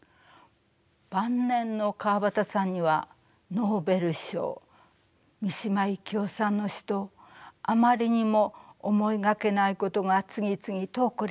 晩年の川端さんにはノーベル賞三島由紀夫さんの死とあまりにも思いがけないことが次々と起こりました。